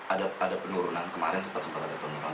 ada penurunan kemarin sempat sempat ada penurunan